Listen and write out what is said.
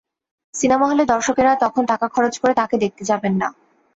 Cinema হলে দর্শকেরা তখন টাকা খরচ করে তাকে দেখতে যাবেন না।